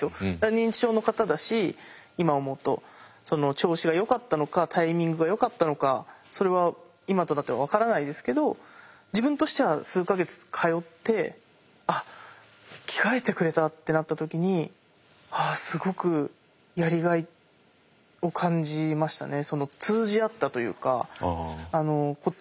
認知症の方だし今思うと調子がよかったのかタイミングがよかったのかそれは今となっては分からないですけど自分としては数か月通って「あっ着替えてくれた」ってなった時にああすごくやりがいを感じましたね。